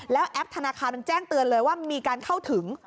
แล้วแอปธนาคารมันแจ้งเตือนเลยว่ามีการเข้าถึง